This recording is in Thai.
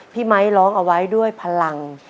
ไมค์ร้องเอาไว้ด้วยพลัง